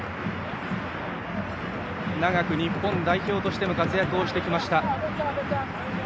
長く日本代表としても活躍をしてきました。